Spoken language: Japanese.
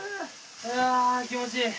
ああ気持ちいい！